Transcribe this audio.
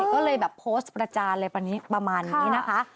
ก็เลยแบบโพสต์ประจานอะไรประมาณนี้นะคะ